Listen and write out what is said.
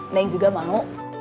neng juga mau